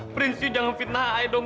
prince you jangan fitnah i dong